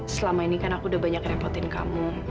selama ini kan aku udah banyak repotin kamu